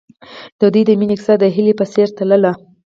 د دوی د مینې کیسه د هیلې په څېر تلله.